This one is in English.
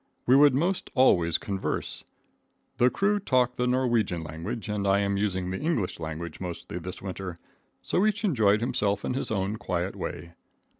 We would most always converse. The crew talked the Norwegian language and I am using the English language mostly this winter. So each enjoyed himself in his own quiet way.